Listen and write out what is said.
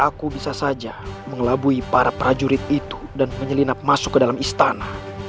aku bisa saja mengelabui para prajurit itu dan menyelinap masuk ke dalam istana